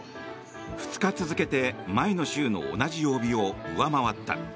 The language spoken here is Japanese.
２日続けて前の週の同じ曜日を上回った。